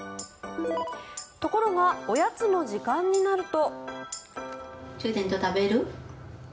ところがおやつの時間になると。